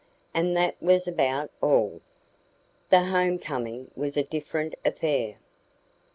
And that was about all. The home coming was a different affair.